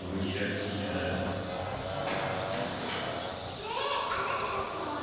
であなたたちは？